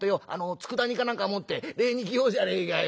つくだ煮か何か持って礼に来ようじゃねえかよ。